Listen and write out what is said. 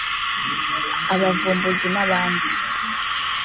abavumbuzi n’abandi